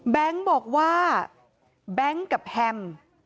แบงก์บอกว่าแบงก์กับแฮม